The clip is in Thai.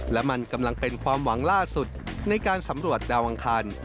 และมันกำลังเป็นความหวังล่าสุดในการสำรวจดาวอังคาร